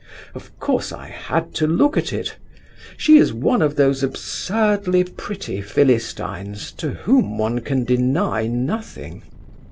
Of course I had to look at it. She is one of those absurdly pretty Philistines to whom one can deny nothing.